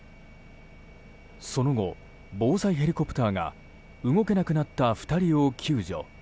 その後、防災ヘリコプターが動けなくなった２人を救助。